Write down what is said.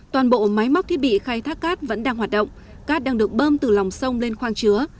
toàn bộ máy móc thiết bị khai thác cát vẫn đang hoạt động cát đang được bơm từ lòng sông lên khoang chứa